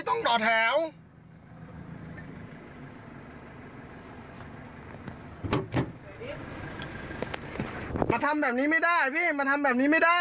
โอ๊ยเจ็บเหลือ